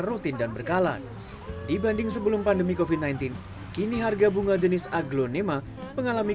rutin dan berkala dibanding sebelum pandemi kofi sembilan belas kini harga bunga jenis aglonema mengalami